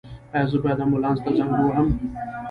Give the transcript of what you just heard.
ایا زه باید امبولانس ته زنګ ووهم؟